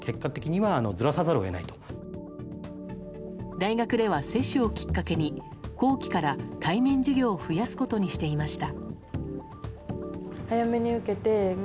大学では、接種をきっかけに後期から、対面授業を増やすことにしていました。